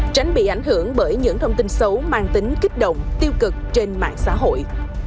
tránh bị ảnh hưởng bởi những thông tin xấu mang tính kích động tiêu cực trên mạng xã hội